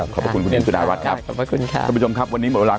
ขอบพระคุณคุณที่จุดาวัดครับ